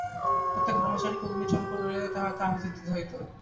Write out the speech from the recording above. প্রত্যেক ব্রহ্মচারীকেই অগ্নিচয়ন করিয়া তাহাতে আহুতি দিতে হইত।